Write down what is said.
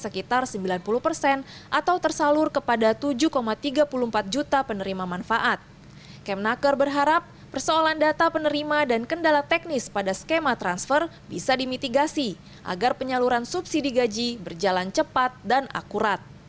kementerian tenaga kerja mengatakan bahwa penyeluruhannya akan mencapai penyeluruhannya